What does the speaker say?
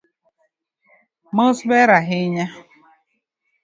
Mano ber ahinya.